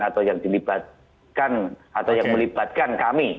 atau yang dilibatkan atau yang melibatkan kami